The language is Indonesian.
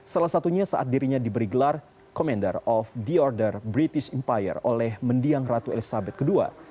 salah satunya saat dirinya diberi gelar commander of the order british empire oleh mendiang ratu elizabeth ii